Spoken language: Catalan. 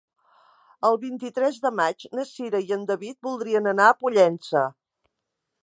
El vint-i-tres de maig na Cira i en David voldrien anar a Pollença.